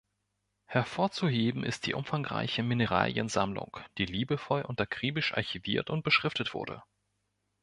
Hervorzuheben ist die umfangreiche Mineraliensammlung, die liebevoll und akribisch archiviert und beschriftet wurde.